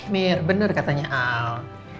mir bener katanya al